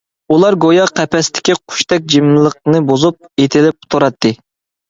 ئۇلار گويا قەپەستىكى قۇشتەك جىملىقنى بۇزۇپ، ئېتىلىپ تۇراتتى.